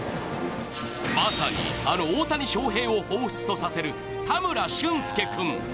まさに、あの大谷翔平をほうふつとさせる田村俊介君。